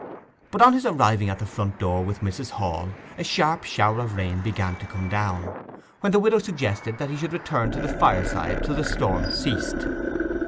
But on his arriving at the front door with Mrs. Hall a sharp shower of rain began to come down, when the widow suggested that he should return to the fire side till the storm ceased.